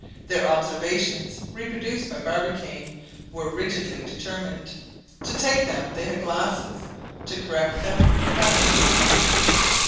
Their observations, reproduced by Barbicane, were rigidly determined. To take them, they had glasses; to correct them, maps.